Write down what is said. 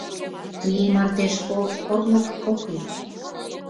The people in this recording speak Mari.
У ий марте школ орлык ок лий.